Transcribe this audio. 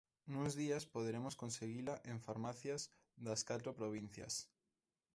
Nuns días poderemos conseguila en farmacias das catro provincias.